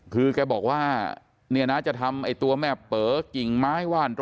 คือแกบอกว่าน้าจะทำไอตัวแม่เป๋าเกิ่งไม้ว่าน๑๐๘